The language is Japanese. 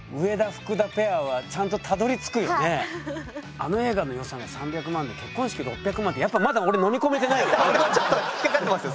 あの映画の予算が３００万で結婚式６００万ってやっぱ俺もちょっと引っ掛かってますよ